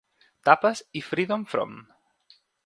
Tapes i Freedom From.